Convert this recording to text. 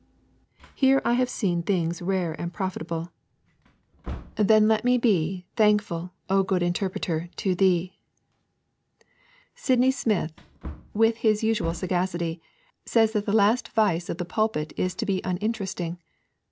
'Here have I seen things rare and profitable, ... Then let me be Thankful, O good Interpreter, to thee.' Sydney Smith, with his usual sagacity, says that the last vice of the pulpit is to be uninteresting.